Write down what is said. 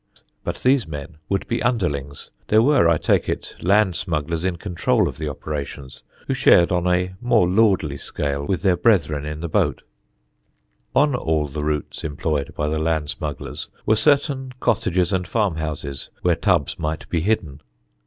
But these men would be underlings. There were, I take it, land smugglers in control of the operations who shared on a more lordly scale with their brethren in the boat. [Sidenote: HALF WAY HOUSES] On all the routes employed by the land smugglers were certain cottages and farm houses where tubs might be hidden.